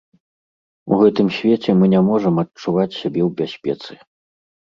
У гэтым свеце мы не можам адчуваць сябе ў бяспецы.